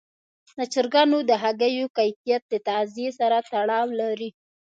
د چرګانو د هګیو کیفیت د تغذیې سره تړاو لري.